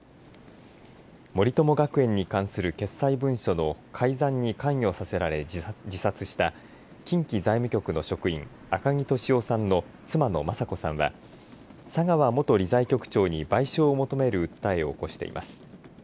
森友学園に関する決裁文書の改ざんに関与させられ自殺した近畿財務局の職員赤木俊夫さんの妻の雅子さんは佐川元理財局長に賠償を求める訴えを起こしています。